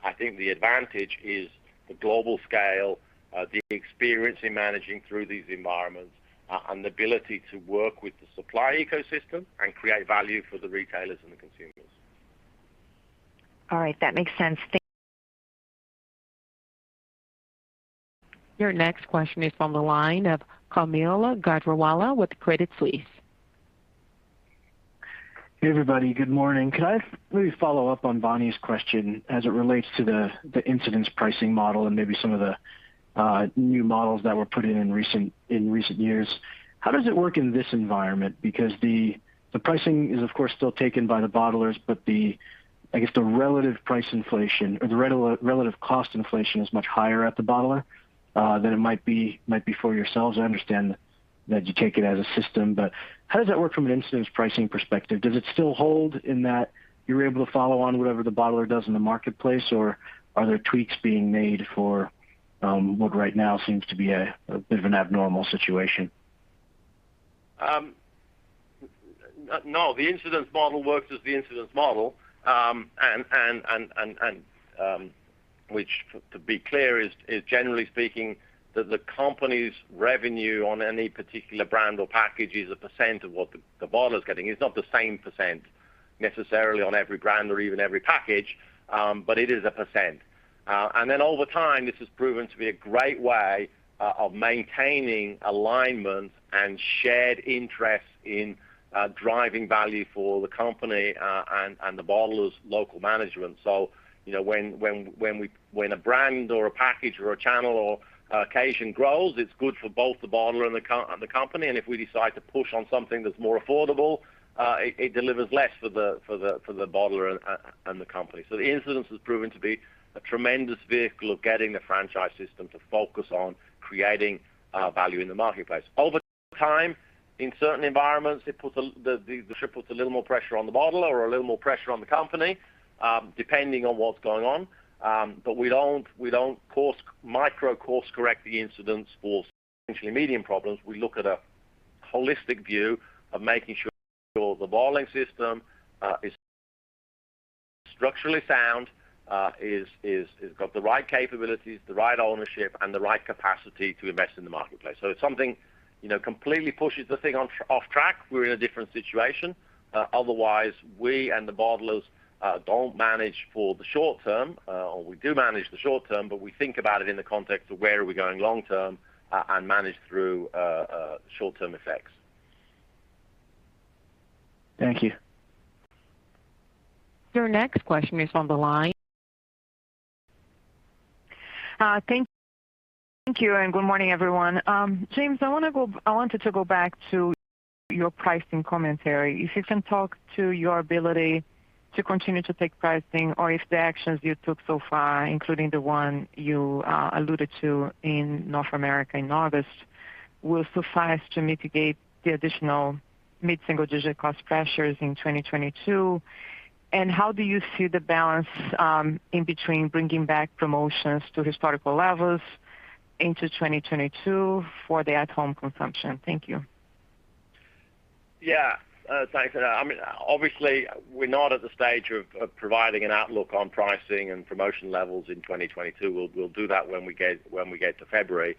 C: I think the advantage is the global scale, the experience in managing through these environments, and the ability to work with the supply ecosystem and create value for the retailers and the consumers.
J: All right. That makes sense.
A: Your next question is from the line of Kaumil Gajrawala with Credit Suisse.
K: Hey, everybody. Good morning. Could I maybe follow up on Bonnie's question as it relates to the incidence pricing model and maybe some of the new models that were put in in recent years? How does it work in this environment? Because the pricing is of course still taken by the bottlers, but I guess the relative price inflation or the relative cost inflation is much higher at the bottler than it might be for yourselves. I understand that you take it as a system, but how does that work from an incidence pricing perspective? Does it still hold in that you're able to follow on whatever the bottler does in the marketplace, or are there tweaks being made for what right now seems to be a bit of an abnormal situation?
C: No, the incidence model works as the incidence model. And which, to be clear, is generally speaking that the company's revenue on any particular brand or package is a percent of what the bottler's getting. It's not the same percent necessarily on every brand or even every package, but it is a percent. And then over time, this has proven to be a great way of maintaining alignment and shared interest in driving value for the company and the bottlers' local management. You know, when a brand or a package or a channel or occasion grows, it's good for both the bottler and the company. If we decide to push on something that's more affordable, it delivers less for the bottler and the company. The incidence has proven to be a tremendous vehicle of getting the franchise system to focus on creating value in the marketplace. Over time, in certain environments, it puts a little more pressure on the bottler or a little more pressure on the company, depending on what's going on. We don't micro course-correct the incidence for potentially medium problems. We look at a holistic view of making sure the bottling system is structurally sound. It's got the right capabilities, the right ownership, and the right capacity to invest in the marketplace. If something, you know, completely pushes the thing off track, we're in a different situation. Otherwise, we and the bottlers don't manage for the short term, or we do manage the short term, but we think about it in the context of where are we going long term, and manage through short term effects.
K: Thank you.
A: Your next question is on the line.
L: Thank you and good morning, everyone. James, I wanted to go back to your pricing commentary. If you can talk to your ability to continue to take pricing or if the actions you took so far, including the one you alluded to in North America in August, will suffice to mitigate the additional mid-single-digit cost pressures in 2022. How do you see the balance in between bringing back promotions to historical levels into 2022 for the at-home consumption? Thank you.
C: Yeah. Thanks. I mean, obviously we're not at the stage of providing an outlook on pricing and promotion levels in 2022. We'll do that when we get to February.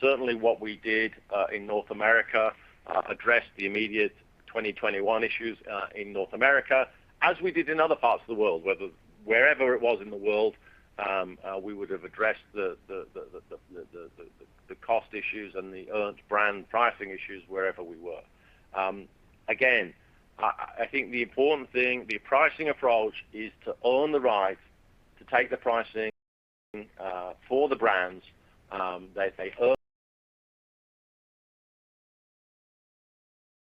C: Certainly what we did in North America addressed the immediate 2021 issues in North America, as we did in other parts of the world, wherever it was in the world, we would have addressed the cost issues and the earned brand pricing issues wherever we were. Again, I think the important thing, the pricing approach is to own the right to take the pricing for the brands that they earn.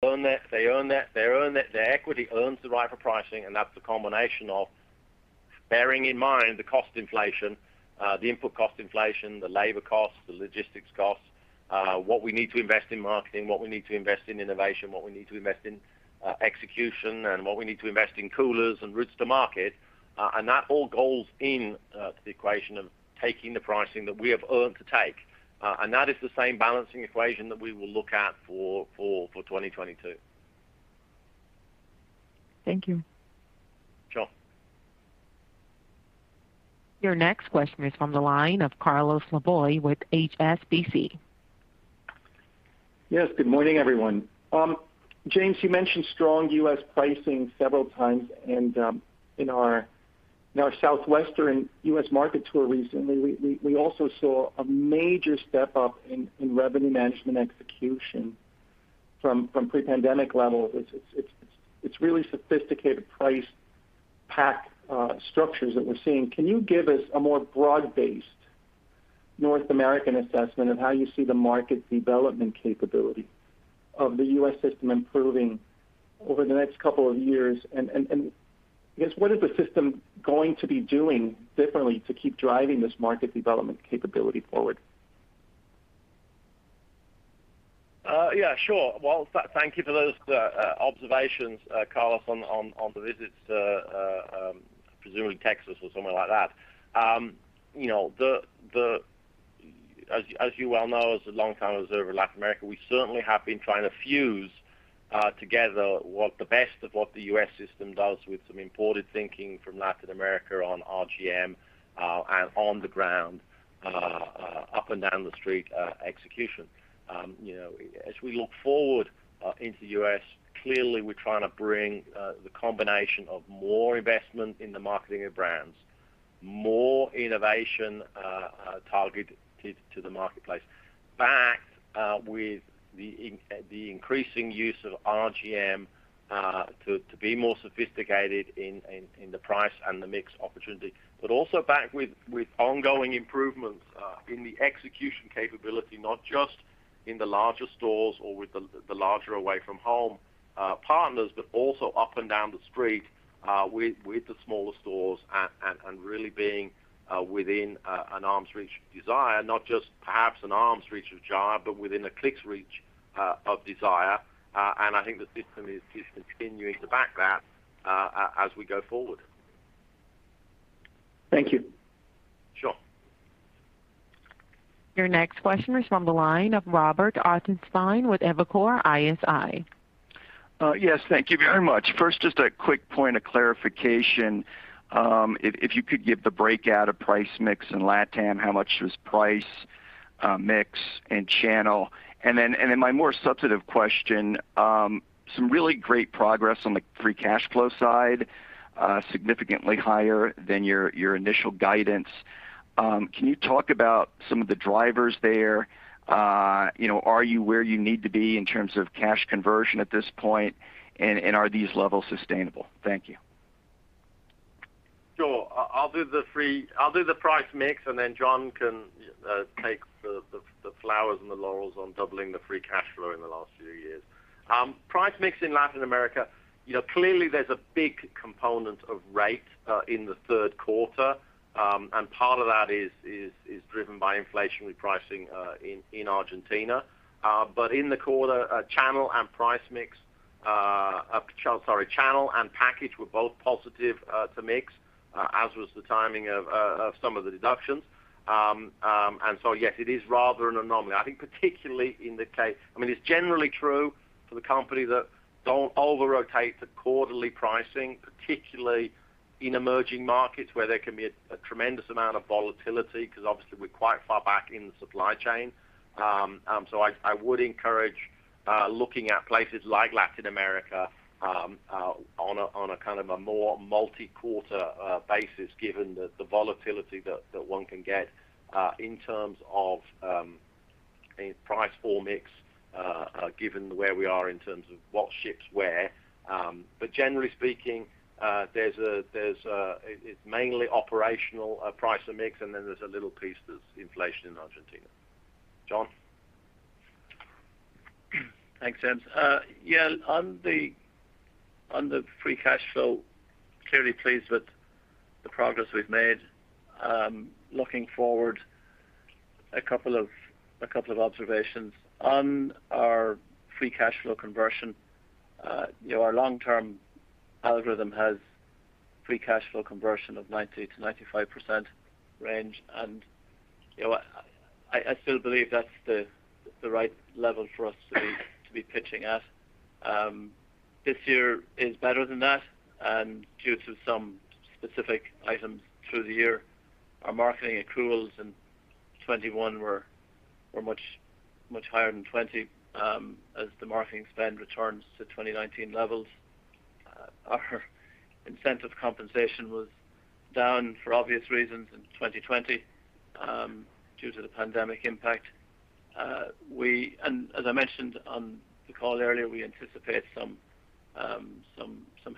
C: They earn that. Their equity earns the right for pricing, and that's a combination of bearing in mind the cost inflation, the input cost inflation, the labor costs, the logistics costs, what we need to invest in marketing, what we need to invest in innovation, what we need to invest in execution, and what we need to invest in coolers and routes to market. That all goes in to the equation of taking the pricing that we have earned to take. That is the same balancing equation that we will look at for 2022.
L: Thank you.
C: Sure.
A: Your next question is from the line of Carlos Laboy with HSBC.
M: Yes, good morning, everyone. James, you mentioned strong U.S. pricing several times and, in our Southwestern U.S. market tour recently, we also saw a major step up in revenue management execution from pre-pandemic levels. It's really sophisticated price pack structures that we're seeing. Can you give us a more broad-based North American assessment of how you see the market development capability of the U.S. system improving over the next couple of years? I guess what is the system going to be doing differently to keep driving this market development capability forward?
C: Yeah, sure. Well, thank you for those observations, Carlos, on the visits to, presumably Texas or somewhere like that. You know, as you well know, as a long-time observer of Latin America, we certainly have been trying to fuse together what the best of the U.S. system does with some imported thinking from Latin America on RGM, and on the ground, up and down the street, execution. You know, as we look forward into the U.S., clearly, we're trying to bring the combination of more investment in the marketing of brands, more innovation targeted to the marketplace, backed with the increasing use of RGM to be more sophisticated in the price and the mix opportunity. also backed with ongoing improvements in the execution capability, not just in the larger stores or with the larger away-from-home partners, but also up and down the street with the smaller stores and really being within an arm's reach of desire, not just perhaps an arm's reach of job, but within a click's reach of desire. I think the system is continuing to back that as we go forward.
M: Thank you.
C: Sure.
A: Your next question is from the line of Robert Ottenstein with Evercore ISI.
N: Yes. Thank you very much. First, just a quick point of clarification. If you could give the breakdown of price mix in LatAm, how much was price, mix and channel? Then my more substantive question, some really great progress on the free cash flow side, significantly higher than your initial guidance. Can you talk about some of the drivers there? You know, are you where you need to be in terms of cash conversion at this point? Are these levels sustainable? Thank you.
C: Sure. I'll do the price mix, and then John can take the flowers and the laurels on doubling the free cash flow in the last few years. Price mix in Latin America, you know, clearly there's a big component of rate in the third quarter. Part of that is driven by inflationary pricing in Argentina. In the quarter, channel and package were both positive to mix, as was the timing of some of the deductions. Yes, it is rather an anomaly. I think particularly in the case. I mean, it's generally true for the company that don't over-rotate the quarterly pricing, particularly in emerging markets where there can be a tremendous amount of volatility because obviously we're quite far back in the supply chain. So I would encourage looking at places like Latin America on a kind of a more multi-quarter basis, given the volatility that one can get in terms of price or mix, given where we are in terms of what ships where. But generally speaking, it's mainly operational price and mix, and then there's a little piece that's inflation in Argentina. John?
D: Thanks, James. Yeah, on the free cash flow, clearly pleased with the progress we've made. Looking forward, a couple of observations. On our free cash flow conversion, you know, our long-term algorithm has free cash flow conversion of 90%-95% range. You know, I still believe that's the right level for us to be pitching at. This year is better than that, and due to some specific items through the year, our marketing accruals in 2021 were much higher than 2020, as the marketing spend returns to 2019 levels. Our incentive compensation was down for obvious reasons in 2020, due to the pandemic impact. As I mentioned on the call earlier, we anticipate some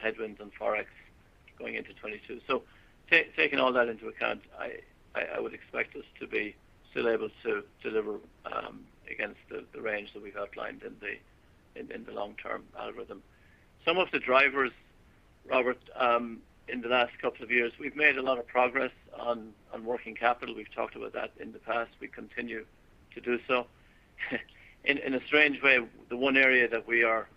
D: headwinds in forex going into 2022. Taking all that into account, I would expect us to be still able to deliver against the range that we've outlined in the long-term algorithm. Some of the drivers, Robert, in the last couple of years, we've made a lot of progress on working capital. We've talked about that in the past. We continue to do so. In a strange way, the one area that we are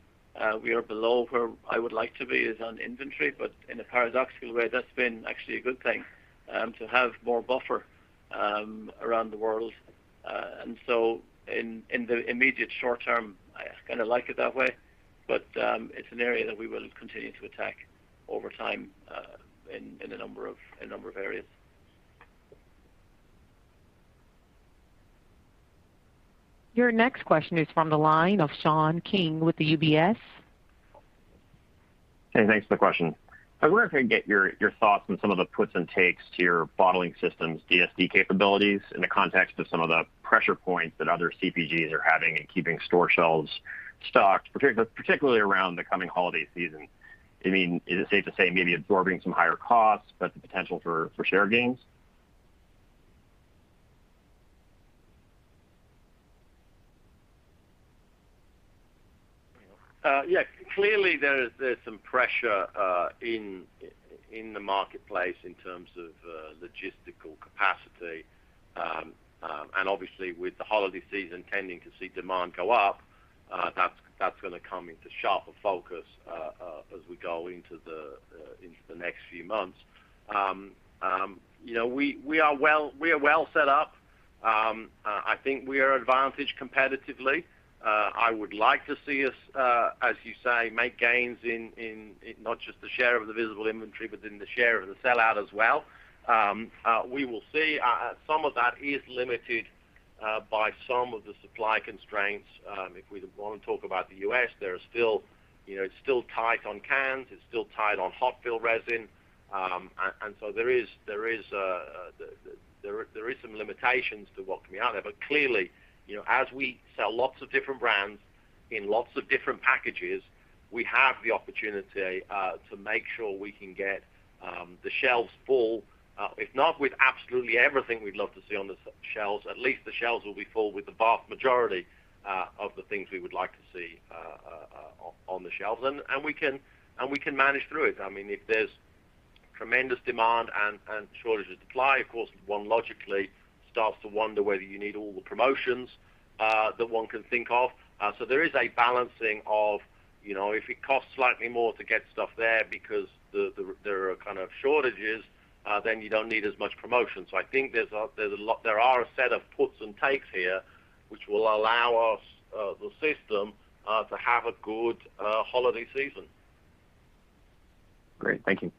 D: below where I would like to be is on inventory, but in a paradoxical way, that's been actually a good thing to have more buffer around the world. And so in the immediate short term Kind of like it that way, but it's an area that we will continue to attack over time, in a number of areas.
A: Your next question is from the line of Sean King with UBS.
O: Hey, thanks for the question. I was wondering if I could get your thoughts on some of the puts and takes to your bottling systems DSD capabilities in the context of some of the pressure points that other CPGs are having in keeping store shelves stocked, particularly around the coming holiday season. I mean, is it safe to say maybe absorbing some higher costs, but the potential for share gains?
C: Yeah. Clearly, there's some pressure in the marketplace in terms of logistical capacity. Obviously, with the holiday season tending to see demand go up, that's gonna come into sharper focus as we go into the next few months. You know, we are well set up. I think we are advantaged competitively. I would like to see us, as you say, make gains in not just the share of the visible inventory, but in the share of the sellout as well. We will see. Some of that is limited by some of the supply constraints. If we want to talk about the U.S., there are still, you know, it's still tight on cans, it's still tight on hot-fill resin. There is some limitations to what can be out of it. Clearly, you know, as we sell lots of different brands in lots of different packages, we have the opportunity to make sure we can get the shelves full. If not with absolutely everything we'd love to see on the shelves, at least the shelves will be full with the vast majority of the things we would like to see on the shelves. We can manage through it. I mean, if there's tremendous demand and shortage of supply, of course, one logically starts to wonder whether you need all the promotions that one can think of. There is a balancing of, you know, if it costs slightly more to get stuff there because there are kind of shortages, then you don't need as much promotion. I think there's a lot, there are a set of puts and takes here which will allow us, the system, to have a good holiday season.
O: Great. Thank you.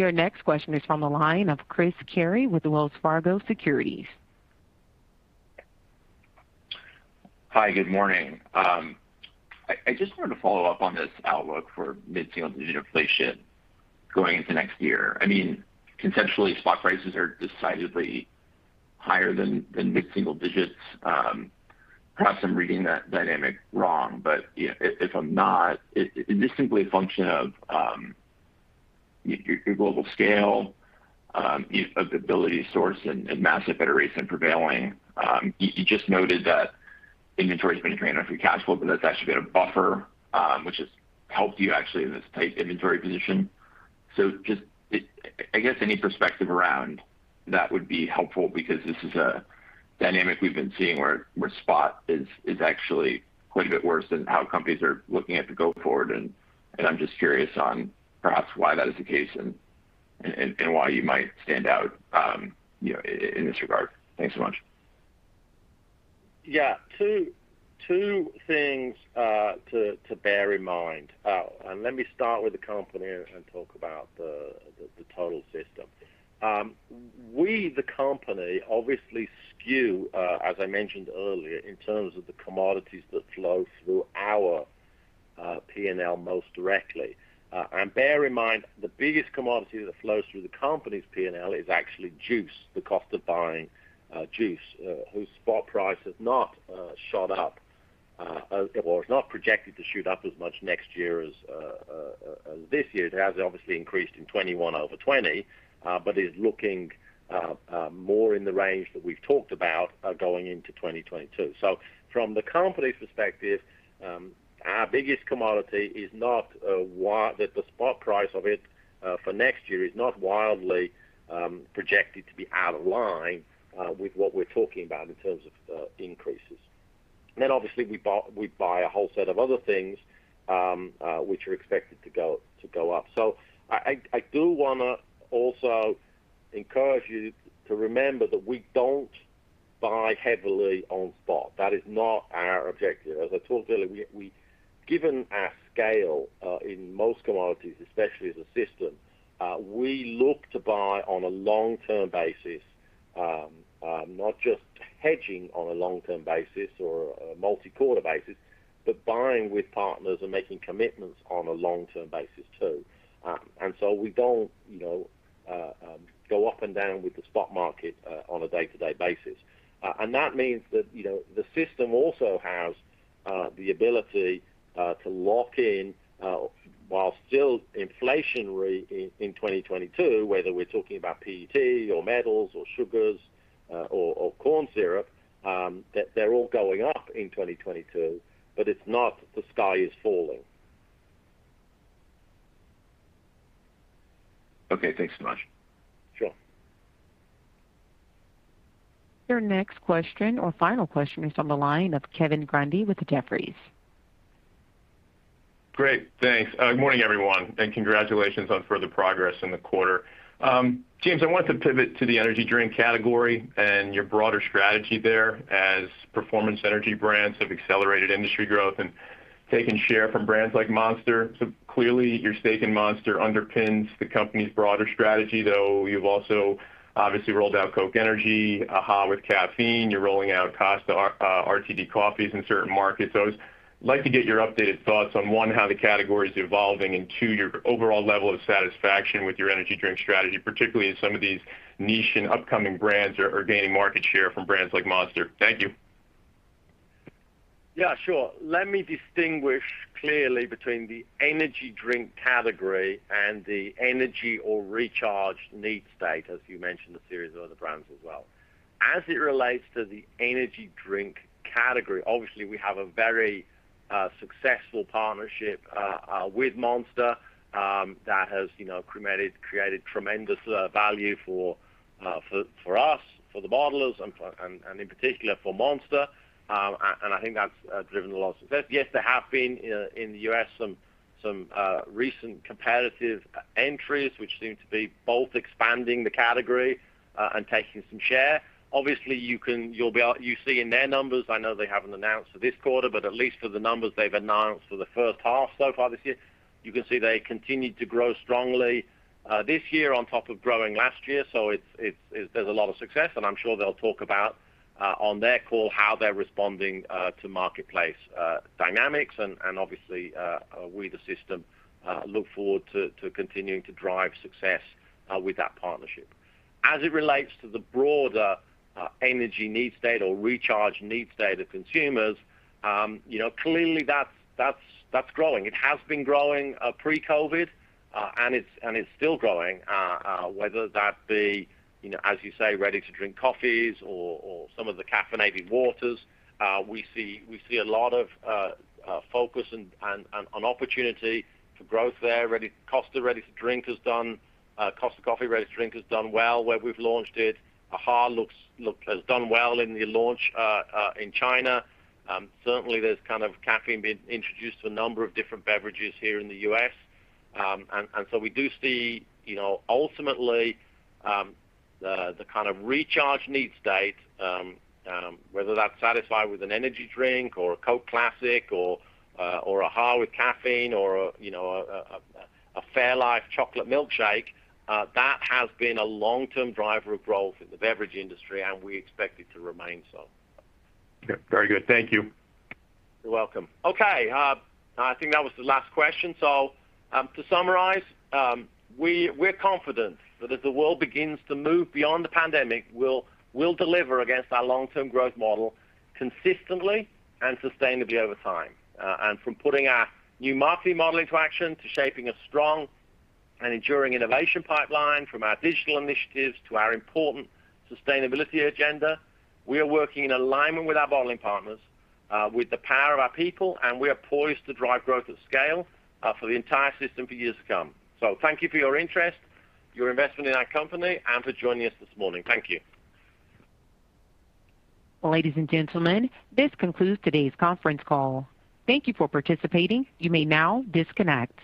C: Sure.
A: Your next question is from the line of Chris Carey with Wells Fargo Securities.
P: Hi, good morning. I just wanted to follow up on this outlook for mid-single-digit inflation going into next year. I mean, conceptually, spot prices are decidedly higher than mid-single digits. Perhaps I'm reading that dynamic wrong, but if I'm not, is this simply a function of your global scale, of the ability to source and massive negotiation prevailing? You just noted that inventory's been drained on free cash flow, but that's actually been a buffer, which has helped you actually in this tight inventory position. Just, I guess any perspective around that would be helpful because this is a dynamic we've been seeing where spot is actually quite a bit worse than how companies are looking going forward. I'm just curious on perhaps why that is the case and why you might stand out, you know, in this regard. Thanks so much.
C: Yeah. Two things to bear in mind. Let me start with the company and talk about the total system. The company obviously skew, as I mentioned earlier, in terms of the commodities that flow through our P&L most directly. Bear in mind, the biggest commodity that flows through the company's P&L is actually juice, the cost of buying juice, whose spot price has not shot up or is not projected to shoot up as much next year as this year. It has obviously increased in 2021 over 2020, but is looking more in the range that we've talked about going into 2022. From the company's perspective, our biggest commodity is not that the spot price of it for next year is not wildly projected to be out of line with what we're talking about in terms of increases. Obviously we buy a whole set of other things which are expected to go up. I do wanna also encourage you to remember that we don't buy heavily on spot. That is not our objective. As I talked earlier, given our scale in most commodities, especially as a system, we look to buy on a long-term basis, not just hedging on a long-term basis or a multi-quarter basis, but buying with partners and making commitments on a long-term basis too. We don't, you know, go up and down with the spot market on a day-to-day basis. That means that, you know, the system also has the ability to lock in while still inflationary in 2022, whether we're talking about PET or metals or sugars or corn syrup, that they're all going up in 2022, but it's not the sky is falling.
P: Okay. Thanks so much.
C: Sure.
A: Your next question or final question is on the line of Kevin Grundy with Jefferies.
Q: Great, thanks. Good morning, everyone, and congratulations on further progress in the quarter. James, I want to pivot to the energy drink category and your broader strategy there as performance energy brands have accelerated industry growth and taken share from brands like Monster. Clearly, your stake in Monster underpins the company's broader strategy, though you've also obviously rolled out Coke Energy, Aha with caffeine. You're rolling out [Costa] RTD coffees in certain markets. I'd like to get your updated thoughts on, one, how the category is evolving and, two, your overall level of satisfaction with your energy drink strategy, particularly as some of these niche and upcoming brands are gaining market share from brands like Monster. Thank you.
C: Yeah, sure. Let me distinguish clearly between the energy drink category and the energy or recharge need state, as you mentioned a series of other brands as well. As it relates to the energy drink category, obviously, we have a very successful partnership with Monster that has, you know, created tremendous value for us, for the bottlers and in particular for Monster. I think that's driven a lot of success. Yes, there have been in the U.S. some recent competitive entries, which seem to be both expanding the category and taking some share. Obviously, you see in their numbers, I know they haven't announced for this quarter, but at least for the numbers they've announced for the first half so far this year, you can see they continued to grow strongly this year on top of growing last year. There's a lot of success, and I'm sure they'll talk about on their call how they're responding to marketplace dynamics. Obviously, we, the system, look forward to continuing to drive success with that partnership. As it relates to the broader energy need state or recharge need state of consumers, you know, clearly that's growing. It has been growing pre-COVID, and it's still growing, whether that be, you know, as you say, ready to drink coffees or some of the caffeinated waters. We see a lot of focus and opportunity for growth there. Cost of ready-to-drink has done well where we've launched it. AHA has done well in the launch in China. Certainly, there's kind of caffeine being introduced to a number of different beverages here in the U.S. We do see, you know, ultimately, the kind of recharge need state, whether that's satisfied with an energy drink or a Coke Classic or AHA with caffeine or, you know, a Fairlife Chocolate milkshake, that has been a long-term driver of growth in the beverage industry, and we expect it to remain so.
Q: Okay. Very good. Thank you.
C: You're welcome. Okay. I think that was the last question. To summarize, we're confident that as the world begins to move beyond the pandemic, we'll deliver against our long-term growth model consistently and sustainably over time. From putting our new marketing model into action to shaping a strong and enduring innovation pipeline, from our digital initiatives to our important sustainability agenda, we are working in alignment with our bottling partners, with the power of our people, and we are poised to drive growth at scale, for the entire system for years to come. Thank you for your interest, your investment in our company, and for joining us this morning. Thank you.
A: Ladies and gentlemen, this concludes today's conference call. Thank you for participating. You may now disconnect.